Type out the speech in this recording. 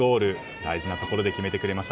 大事なところで決めてくれました